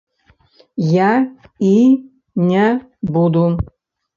Я і не буду.